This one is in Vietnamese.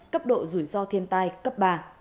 cấp độ rủi ro thiên tai cấp ba